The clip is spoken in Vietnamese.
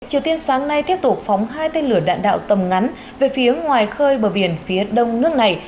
triều tiên sáng nay tiếp tục phóng hai tên lửa đạn đạo tầm ngắn về phía ngoài khơi bờ biển phía đông nước này